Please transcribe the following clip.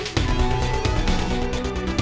tuh dia itu